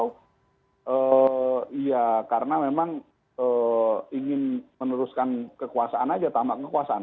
atau ya karena memang ingin meneruskan kekuasaan aja tamat kekuasaan